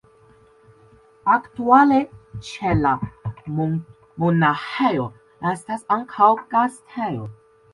Aktuale ĉe la monaĥejo estas ankaŭ gastejo.